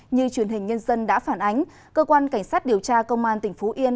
như truyền hình nhân dân đã phản ánh cơ quan cảnh sát điều tra công an tỉnh phú yên